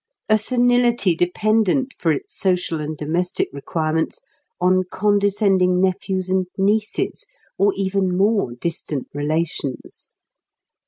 A senility dependent for its social and domestic requirements on condescending nephews and nieces, or even more distant relations!